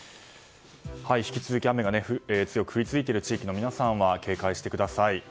引き続き雨が強く降り続いている地域の皆さんは警戒してください。